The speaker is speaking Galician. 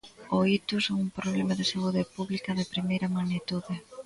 O ictus é un problema de saúde pública de primeira magnitude.